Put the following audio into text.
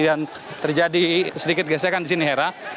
dan terjadi sedikit gesekan disini hera